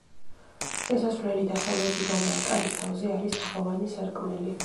შესასვლელი დასავლეთიდანაა, კარის თავზე არის თაღოვანი სარკმელი.